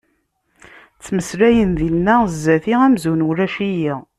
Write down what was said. Ttmeslayen dinna sdat-i amzun ulac-iyi.